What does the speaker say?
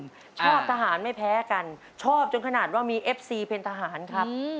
ชอบทหารไม่แพ้กันชอบจนขนาดว่ามีเอฟซีเป็นทหารครับ